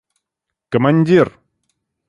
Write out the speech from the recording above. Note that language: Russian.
командир